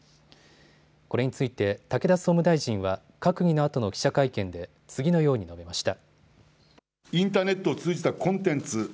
これについて武田総務大臣は閣議のあとの記者会見で次のように述べました。